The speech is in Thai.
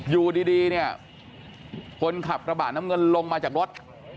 อยู่ดีคนขับระบาดน้ำเงินลงมาจากรถ